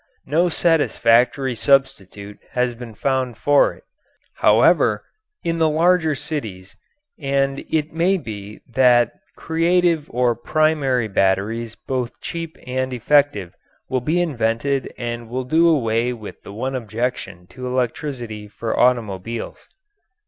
No satisfactory substitute has been found for it, however, in the larger cities, and it may be that creative or "primary" batteries both cheap and effective will be invented and will do away with the one objection to electricity for automobiles.